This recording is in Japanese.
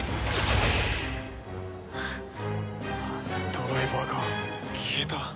ドライバーが消えた！？